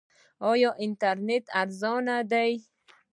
آیا انټرنیټ ارزانه دی؟